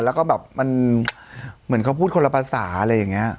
แล้วก็แบบมันเหมือนเขาพูดคนละภาษาอะไรอย่างนี้